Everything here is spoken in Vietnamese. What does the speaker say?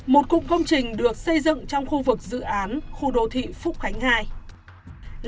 một cục công trình được xây dựng trong khu vực dự án khu đô thị phúc khánh ii